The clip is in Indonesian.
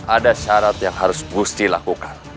ada syarat yang harus gusti lakukan